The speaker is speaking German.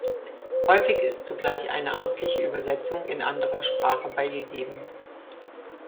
Häufig ist zugleich eine amtliche Übersetzung in anderer Sprache beigegeben.